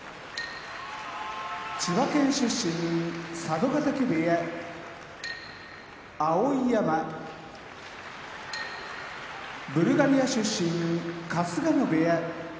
千葉県出身佐渡ヶ嶽部屋碧山ブルガリア出身春日野部屋